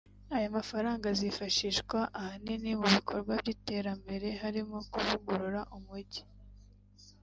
“Aya mafaranga azifashishwa ahanini mu bikorwa by’iterambere harimo kuvugurura umugi